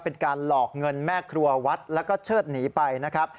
เป็นการหลอกเงินแม่ครัววัดแล้วก็เชิดหนีไปนะครับ